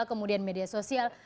kemudian media sosial